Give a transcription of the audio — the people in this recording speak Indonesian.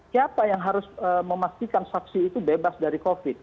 siapa yang harus memastikan saksi itu bebas dari covid